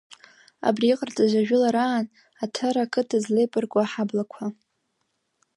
Абри иҟарҵаз ажәылараан Аҭара ақыҭа злеибарку аҳаблақәа…